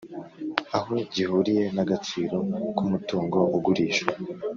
aho gihuriye n agaciro k umutungo ugurishwa